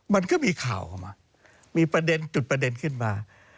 มันก็มีข่าวมามีจุดประเด็นขึ้นมา